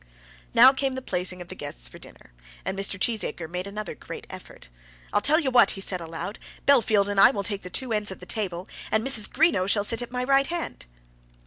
Now came the placing of the guests for dinner, and Mr. Cheesacre made another great effort. "I'll tell you what," he said, aloud, "Bellfield and I will take the two ends of the table, and Mrs. Greenow shall sit at my right hand."